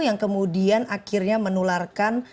yang kemudian akhirnya menularkan